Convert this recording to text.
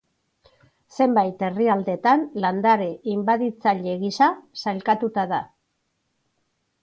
Zenbait herrialdetan landare inbaditzaile gisa sailkatuta da.